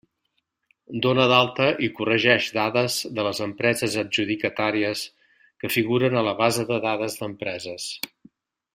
Dona d'alta i corregeix dades de les empreses adjudicatàries que figuren a la base de dades d'empreses.